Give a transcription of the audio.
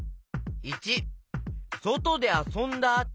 ①そとであそんだあと。